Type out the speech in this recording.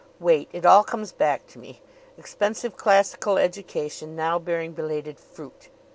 "Wait! It all comes back to me. Expensive classical education, now bearing belated fruit.